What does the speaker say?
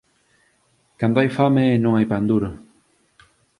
Cando hai fame non hai pan duro